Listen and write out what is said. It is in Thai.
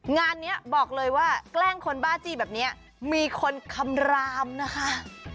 งานนี้บอกเลยว่าแกล้งคนบ้าจี้แบบนี้มีคนคำรามนะคะ